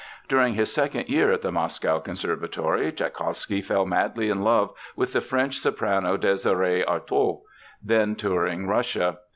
During his second year in the Moscow Conservatory Tschaikowsky fell madly in love with the French soprano Désirée Artôt, then touring Russia.